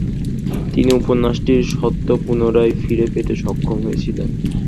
তিনি উপন্যাসটির স্বত্ব পুনরায় ফিরে পেতে সক্ষম হয়েছিলেন।